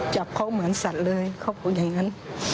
จับเขาเหมือนสัตว์เลยเขาพูดอย่างนั้น